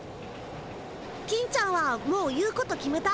金ちゃんはもう言うこと決めた？